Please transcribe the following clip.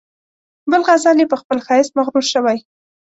بل غزل یې په خپل ښایست مغرور شوی.